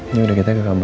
ini udah kita ke kamar